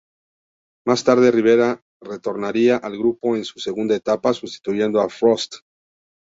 Más tarde, Rivera retornaría al grupo, en su segunda etapa, sustituyendo a Frost.